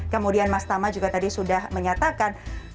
kemudian mas tama juga tadi sudah menyatakan